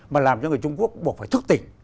mà làm cho người trung quốc buộc phải thức tỉnh